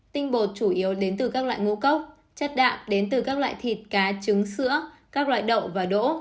tinh bột chủ yếu đến từ các loại ngũ cốc chất đạm đến từ các loại thịt cá trứng sữa các loại đậu và đỗ